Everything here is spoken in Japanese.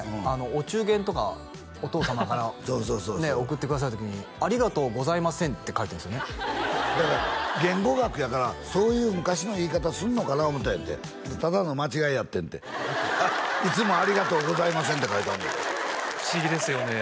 お中元とかお父様からね贈ってくださる時に「ありがとうございません」って書いてあるんですよねだから言語学やからそういう昔の言い方すんのかなと思うたんやてただの間違えやってんって「いつもありがとうございません」って書いてあんねん不思議ですよね